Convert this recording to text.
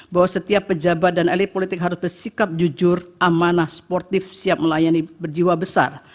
bahwa setiap pejabat dan elit politik harus bersikap jujur amanah sportif siap melayani berjiwa besar